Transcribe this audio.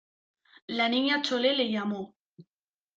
la Niña Chole le llamó: